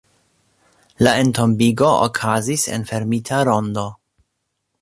La entombigo okazis en fermita rondo.